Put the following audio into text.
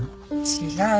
違う。